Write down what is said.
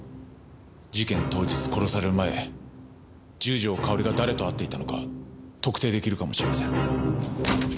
事件当日殺される前十条かおりが誰と会っていたのか特定出来るかもしれません。